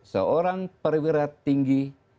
seorang perwira tinggi